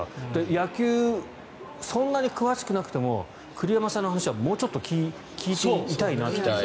野球、そんなに詳しくなくても栗山さんの話はもうちょっと聞いていたいなと。